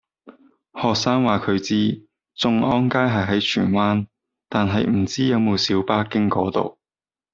學生話佢知眾安街係喺荃灣，但係唔知有冇小巴經嗰度